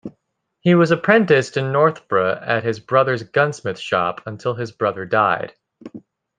He was apprenticed in Northborough at his brother's gunsmith shop until his brother died.